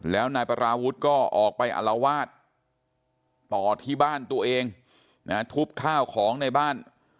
แล้วนายปราวุฒิก็ออกไปอลวาดต่อที่บ้านตัวเองทุบข้าวของในบ้าน